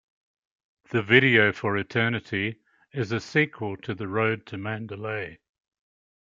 The video for "Eternity" is a sequel to "The Road to Mandalay".